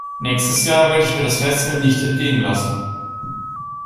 Nächstes Jahr werde ich mir das Festival nicht entgehen lassen.